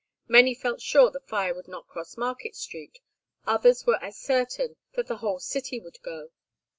Many felt sure the fire would not cross Market Street, others were as certain that the whole city would go.